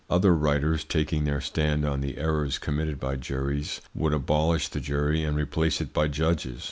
Other writers, taking their stand on the errors committed by juries, would abolish the jury and replace it by judges.